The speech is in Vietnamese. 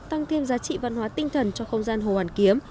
tăng thêm giá trị văn hóa tinh thần cho không gian hồ hoàn kiếm